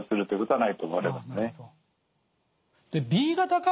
はい。